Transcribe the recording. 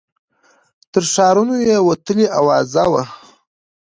تر ښارونو یې وتلې آوازه وه